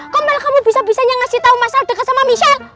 kok malah kamu bisa bisanya ngasih tau mas sal deket sama michelle